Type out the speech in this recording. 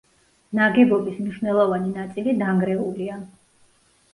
ნაგებობის მნიშვნელოვანი ნაწილი დანგრეულია.